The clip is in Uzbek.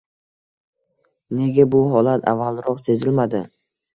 Nega bu holat avvalroq sezilmadi?